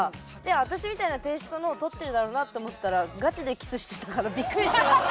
私みたいなテイストのを撮ってるだろうなと思ったらガチでキスしてたからビックリしてます。